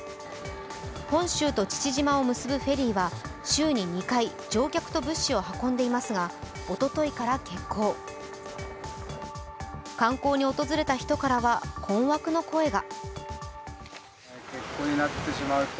本州と父島を結ぶフェリーは週に２回、乗客と物資を運んでいますがおとといから欠航、観光に訪れた人からは困惑の声が。